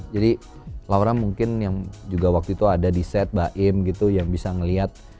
jadi laura mungkin yang juga waktu itu ada di set mbak im gitu yang bisa ngelihat